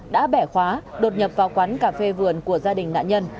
đã bẻ khóa đột nhập vào quán cà phê vườn của gia đình nạn nhân